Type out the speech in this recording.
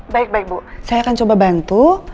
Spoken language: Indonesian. baik baik bu saya akan coba bantu